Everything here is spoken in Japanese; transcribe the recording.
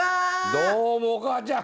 どうもおかあちゃん。